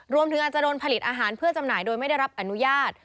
รวมถึงอาจจะโดนผลิตอาหารเพื่อจำหน่ายโดยไม่ได้รับอนุญาต